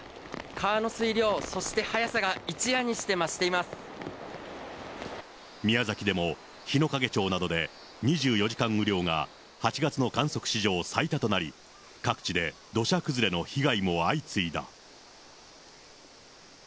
川の水量、そして速さが一夜にし宮崎でも日之影町などで２４時間雨量が８月の観測史上最多となり、各地で土砂崩れの被害も相次いだ。